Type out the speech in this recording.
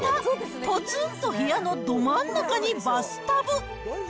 ぽつんと部屋のど真ん中にバスタブ。